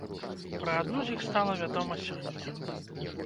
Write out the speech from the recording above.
Пра адну з іх стала вядома сёння.